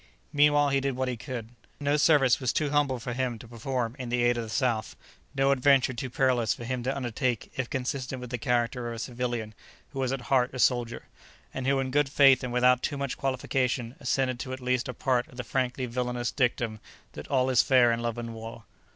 Meanwhile he did what he could. No service was too humble for him to perform in the aid of the South, no adventure too perilous for him to undertake if consistent with the character of a civilian who was at heart a soldier, and who in good faith and without too much qualification assented to at least a part of the frankly villainous dictum that all is fair in love and war.